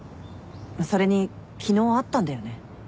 それに昨日会ったんだよね。